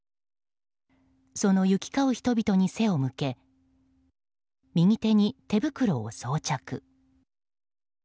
その行き交う人々に背を向け右手に手袋を装着。